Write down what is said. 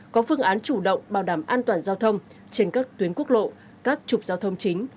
có phương án chủ động bảo đảm an toàn giao thông trên các tuyến quốc lộ các trục giao thông chính